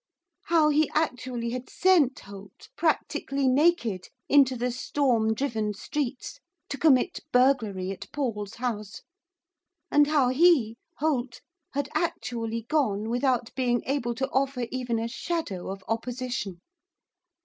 How he actually had sent Holt, practically naked, into the storm driven streets, to commit burglary at Paul's house, and how he, Holt, had actually gone without being able to offer even a shadow of opposition.